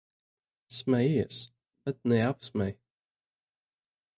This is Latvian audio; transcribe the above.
Smejies, bet neapsmej.